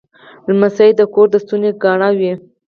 لمسی د کور د ستوني ګاڼه وي.